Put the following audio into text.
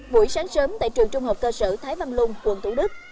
buổi sáng sớm tại trường trung học cơ sở thái văn lung quận thủ đức